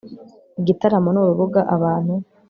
igitaramo ni urubuga abantu